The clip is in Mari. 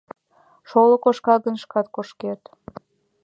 — Шоло кошка гын, шкат кошкет!